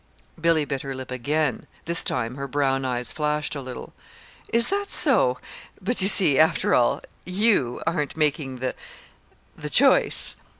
Billy bit her lip again. This time her brown eyes flashed a little. "Is that so? But you see, after all, you aren't making the the choice."